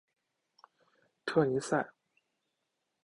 特尼塞。